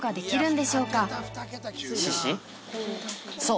そう！